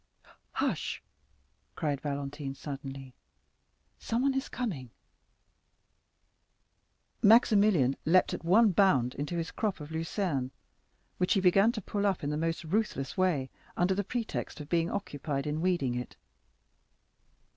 "Hush," cried Valentine, suddenly; "someone is coming!" Maximilian leaped at one bound into his crop of lucern, which he began to pull up in the most ruthless way, under the pretext of being occupied in weeding it.